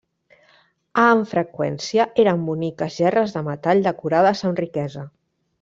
A amb freqüència, eren boniques gerres de metall decorades amb riquesa.